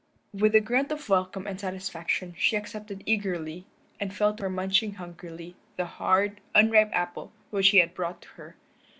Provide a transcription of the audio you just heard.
With a grunt of welcome and satisfaction she accepted eagerly, and fell to munching hungrily, the hard, unripe apple which he had brought to her.